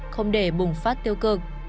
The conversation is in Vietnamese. không để bùng phát tiêu cực